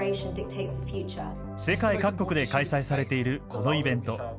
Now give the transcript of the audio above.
世界各国で開催されているこのイベント。